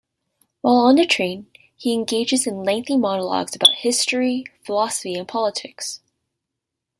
While on the train, he engages in lengthy monologues about history, philosophy and politics.